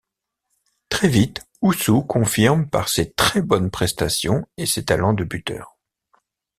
Très vite, Oussou confirme par ses très bonnes prestations et ses talents de buteur.